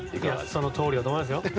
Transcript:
そのとおりだと思いますよ。